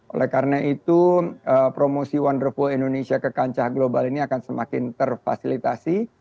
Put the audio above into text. oleh karena itu promosi wonderful indonesia ke kancah global ini akan semakin terfasilitasi